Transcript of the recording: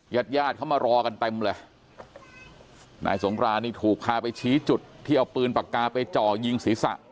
ญาติญาติเขามารอกันเต็มเลยนายสงครานนี่ถูกพาไปชี้จุดที่เอาปืนปากกาไปจ่อยิงศีรษะ